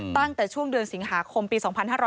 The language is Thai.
ตั้งแต่ช่วงเดือนสิงหาคมปี๒๕๕๙